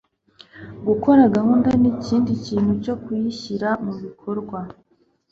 Gukora gahunda nikindi kintu cyo kuyishyira mubikorwa